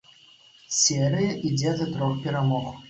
Серыя ідзе да трох перамог.